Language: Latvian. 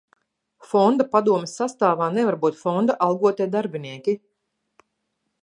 Fonda padomes sastāvā nevar būt fonda algotie darbinieki.